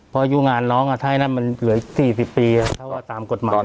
พอยู่งานน้องอ่ะถ้าให้นั่นมันเหลือสี่สิบปีอ่ะเท่าว่าตามกฎหมายน่ะ